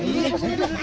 mungkin ini lepasin